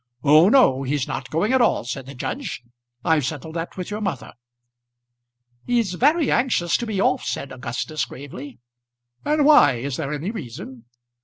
"Oh no; he's not going at all," said the judge. "I've settled that with your mother." "He's very anxious to be off," said Augustus gravely. "And why? Is there any reason?"